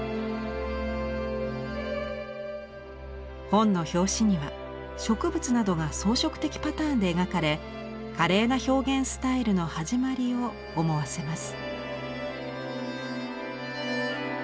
本の表紙には植物などが装飾的パターンで描かれ華麗な表現スタイルの始まりを思わせます。